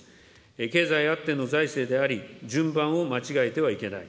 経済あっての財政であり、順番を間違えてはいけない。